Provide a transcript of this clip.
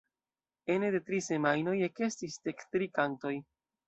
Ene de tri semajnoj ekestis dek tri kantoj.